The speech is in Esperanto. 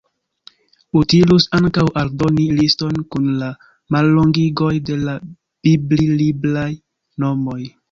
Utilus ankaŭ aldoni liston kun la mallongigoj de la bibli-libraj nomoj.